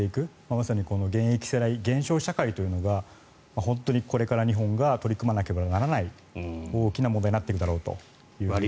まさに現役世代減少社会というのがこれから日本が取り組まなければいけない大きな問題になっていくだろうと。